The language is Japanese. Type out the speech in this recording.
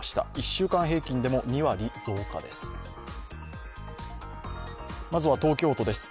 １週間平均でも２割増加です。